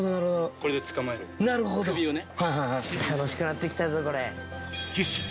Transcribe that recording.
これで捕まえる首をね。